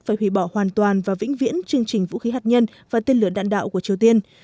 phải hủy bỏ hoàn toàn và vĩnh viễn chương trình vũ khí hạt nhân và tên lửa đạn đạo của triều tiên